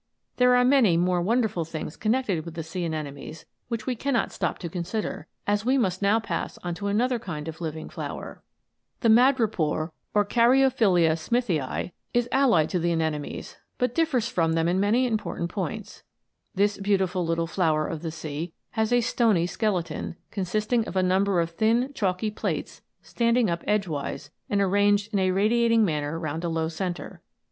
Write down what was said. There are many more wonderful things con nected with the sea anemones which we cannot stop to consider, as we must now pass on to another kind of living flower. The madrepore* is allied to the anemones, but differs from them in many important points. This beautiful little flower of the sea has a stony skele ton, consisting of a number of thin chalky plates standing up edgewise, and arranged in a radiating * Caryophyllia Smithii. ANIMATED FLOWERS. 135 manner round a low centre.